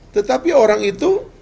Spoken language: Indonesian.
tetapi orang itu